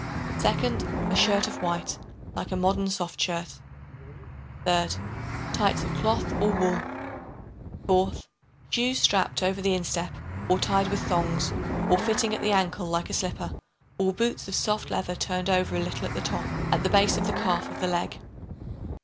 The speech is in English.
Second, a shirt of white, like a modern soft shirt. Third, tights of cloth or wool. Fourth, shoes strapped over the instep or tied with thongs, or fitting at the ankle like a slipper, or boots of soft leather turned over a little at the top, at the base of the calf of the leg.